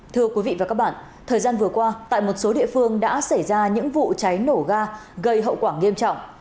thưa quý vị và các bạn thời gian vừa qua tại một số địa phương đã xảy ra những vụ cháy nổ ga gây hậu quả nghiêm trọng